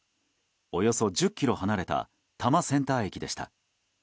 およそ１０ｋｍ離れた多摩センター駅でした。